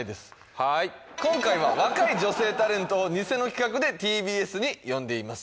はい今回は若い女性タレントを偽の企画でＴＢＳに呼んでいます